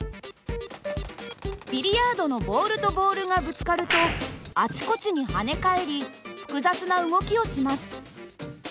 ビリヤードのボールとボールがぶつかるとあちこちに跳ね返り複雑な動きをします。